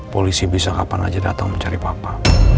polisi bisa kapan saja datang mencari papa